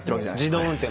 自動運転。